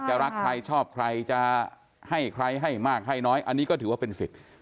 รักใครชอบใครจะให้ใครให้มากให้น้อยอันนี้ก็ถือว่าเป็นสิทธิ์